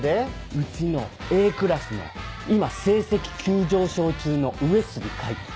うちのＡクラスの今成績急上昇中の上杉海斗